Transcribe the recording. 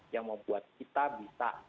yang membuat kita bisa